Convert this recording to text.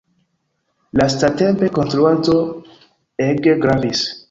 Lastatempe konstruado ege gravis.